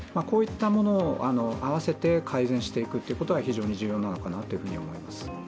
こういったものを併せて改善していくというのが非常に重要なのかなと思います。